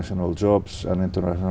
đường long biên